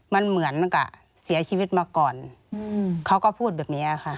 มันเหมือนกับเสียชีวิตมาก่อนเขาก็พูดแบบนี้ค่ะ